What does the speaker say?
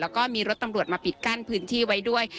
แล้วก็มีรถตำรวจมาปิดกั้นพื้นที่ไว้ด้วย